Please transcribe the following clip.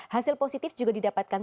hasil positif juga didapatkan